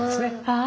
ああ。